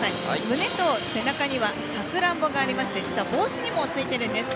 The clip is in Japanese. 胸と背中にはさくらんぼがありまして実は帽子にもついているんです。